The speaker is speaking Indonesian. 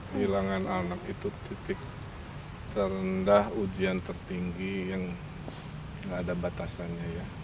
kehilangan anak itu titik terendah ujian tertinggi yang gak ada batasannya ya